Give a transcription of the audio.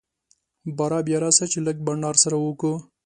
باره بيا راسه چي لږ بانډار سره وکو.